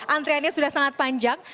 antriannya sudah sangat panjang